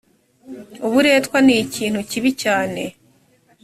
uburetwan nikintu kibi cyane